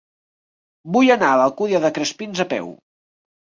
Vull anar a l'Alcúdia de Crespins a peu.